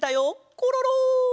コロロ！